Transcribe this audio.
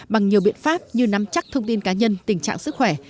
bằng nhiều biện pháp như nắm chắc thông tin cá nhân tình trạng sức khỏe